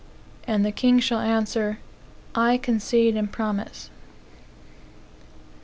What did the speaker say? (And the king shall answer,) I concede and promise."